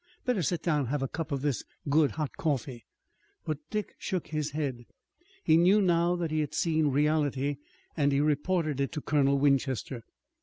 Better sit down and have a cup of this good hot coffee." But Dick shook his head. He knew now that he had seen reality, and he reported it to Colonel Winchester.